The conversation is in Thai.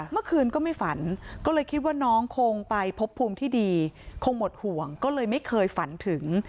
เมื่อคืนก็ไม่ฝันก็เลยคิดว่าน้องคงไปพบภูมิที่ดีคงหมดห่วงก็เลยไม่เคยฝันถึง